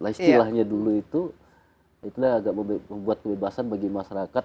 istilahnya dulu itu agak membuat kebebasan bagi masyarakat